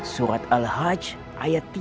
surat al hajj ayat tiga puluh delapan